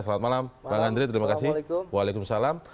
selamat malam bang andre terima kasih waalaikumsalam